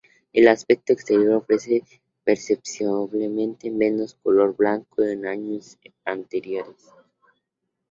El aspecto exterior ofrece perceptiblemente menos color blanco que en años anteriores.